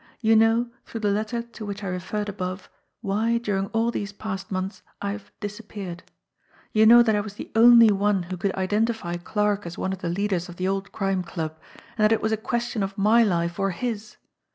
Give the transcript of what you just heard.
You know, through the letter to which I referred above, why during all these past months I have 'disappeared.' You know that I was the only one who could identify Clarke as one of the leaders of the old Crime Club, and that it was a question of my life or his.